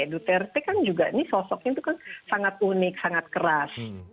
duterte kan juga ini sosoknya itu kan sangat unik sangat keras